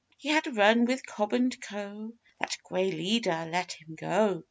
He had run with Cobb and Co. 'that grey leader, let him go!